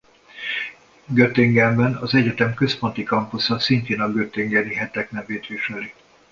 Göttingenben az egyetem központi campusa szintén a göttingeni hetek nevét viseli.